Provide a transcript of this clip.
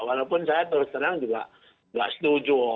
walaupun saya terus terang juga nggak setuju